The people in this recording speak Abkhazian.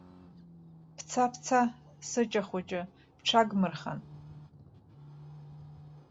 Бца, бца, сыча хәыҷы, бҽагбмырхан.